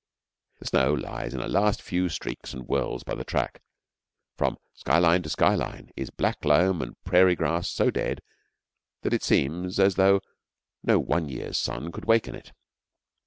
The snow lies in a last few streaks and whirls by the track; from sky line to sky line is black loam and prairie grass so dead that it seems as though no one year's sun would waken it.